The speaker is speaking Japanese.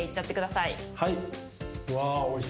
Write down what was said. はい。